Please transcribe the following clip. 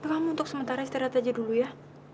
kamu untuk sementara istirahat aja dulu ya